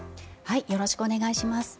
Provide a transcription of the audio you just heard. よろしくお願いします。